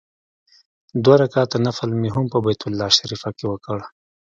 دوه رکعاته نفل مې هم په بیت الله شریفه کې وکړ.